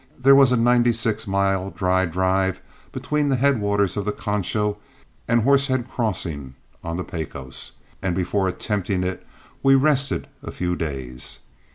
There was a ninety six mile dry drive between the headwaters of the Concho and Horsehead Crossing on the Pecos, and before attempting it we rested a few days.